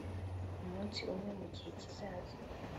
umunsi umwe mugihe kizaza